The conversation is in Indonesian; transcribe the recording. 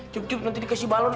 cukup cukup nanti dikasih balon